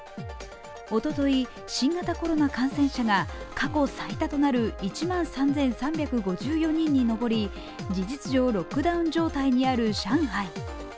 おととい、新型コロナ感染者が過去最多となる１万３３５４人にのぼり事実上、ロックダウン状態にある上海。